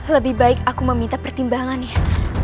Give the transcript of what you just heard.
lebih baik aku meminta pertimbangannya